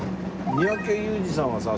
三宅裕司さんはさ